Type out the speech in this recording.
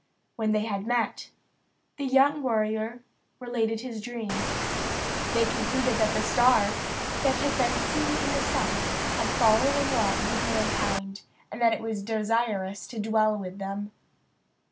When they had met, the young warrior related his dream. They concluded that the star that had been seen in the south had fallen in love with mankind, and that it was desirous to dwell with them.